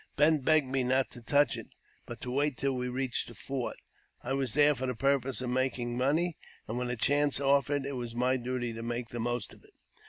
Bent begged me not to touch it, but to wait till we reached the fort. I was there for the purpose of making money, and when a chance offered, it was my duty to make the most of it.